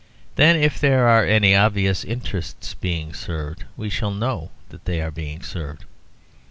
Then, if there are any obvious interests being served, we shall know that they are being served.